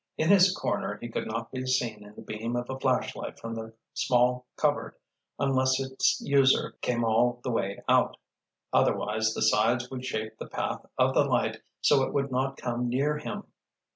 In his corner he could not be seen in the beam of a flashlight from the small cupboard unless its user came all the way out: otherwise the sides would shape the path of the light so it would not come near him.